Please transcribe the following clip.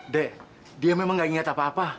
dek dia memang gak ingat apa apa